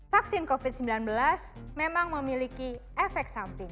vaksin covid sembilan belas memang memiliki efek yang sangat penting